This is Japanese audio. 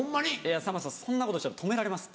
さんまさんそんなことしたら止められますって。